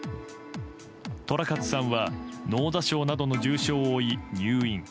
寅勝さんは脳挫傷などの重傷を負い入院。